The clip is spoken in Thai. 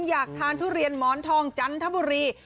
อยากทานทุเรียนหมอนทองจันทบุรี